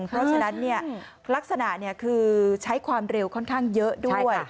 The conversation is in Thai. เพราะฉะนั้นลักษณะคือใช้ความเร็วค่อนข้างเยอะด้วย